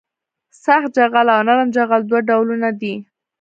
سخت جغل او نرم جغل دوه ډولونه دي